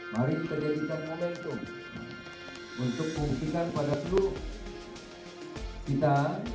mari kita jadikan momentum untuk membuktikan pada seluruh kita